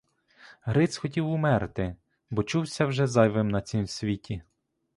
Гриць хотів умерти, бо чувся вже зайвим на цім світі.